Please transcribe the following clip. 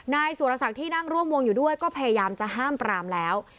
นายสุรศักดิ์ที่นั่งร่วมวงอยู่ด้วยก็พยายามจะห้ามปรามแล้ว